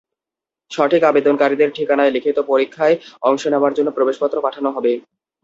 সঠিক আবেদনকারীদের ঠিকানায় লিখিত পরীক্ষায় অংশ নেওয়ার জন্য প্রবেশপত্র পাঠানো হবে।